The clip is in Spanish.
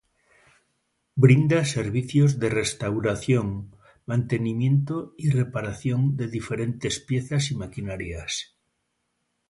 Brinda servicios de restauración, mantenimiento y reparación de diferentes piezas y maquinarias.